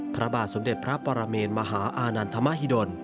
พระบาทสมเด็จพระปรเมนมหาอานันทมหิดล